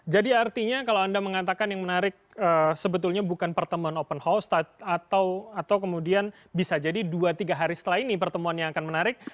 jadi artinya kalau anda mengatakan yang menarik sebetulnya bukan pertemuan open house atau kemudian bisa jadi dua tiga hari setelah ini pertemuan yang akan menarik